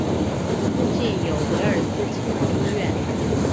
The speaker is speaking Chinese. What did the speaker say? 附近有威尔斯亲王医院。